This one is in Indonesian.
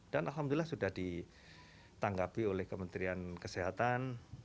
dan alhamdulillah sudah ditanggapi oleh kementerian kesehatan